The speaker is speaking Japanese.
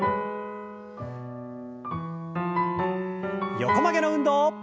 横曲げの運動。